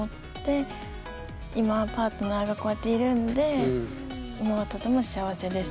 今はパートナーがこうやっているんで今はとても幸せです。